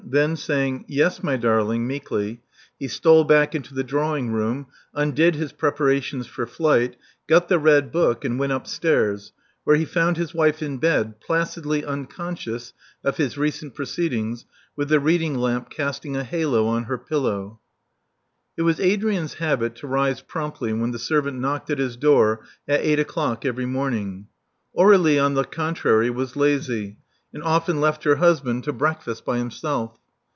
Then, saying, Yes, my 330 Love Among the Artists darling," meekly, he stole back into the drawing room; imdid his preparations for flight; got the red book; and went upstairs^ where he found his wife in bed, placidly unconscious of his recent proceedings, with the reading lamp casting a halo on her pillow. It was Adrian's habit to rise promptly when the servant knocked at his door at eight o'clock every morning. Aur^lie, on the contrary, was lazy, and often left her husband to breakfast by himself.